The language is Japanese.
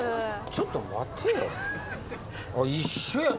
ちょっと待てよ。